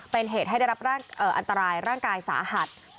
เป็นเหตุให้ได้รับอันตรายร่างกายสาหัส